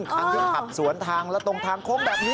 คันที่ขับสวนทางแล้วตรงทางโค้งแบบนี้